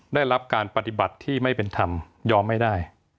ได้รับการปฏิบัติที่ไม่เป็นธรรมยอมไม่ได้